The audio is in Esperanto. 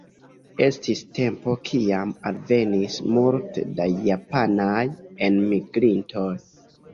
Estis tempo, kiam alvenis multe da japanaj enmigrintoj.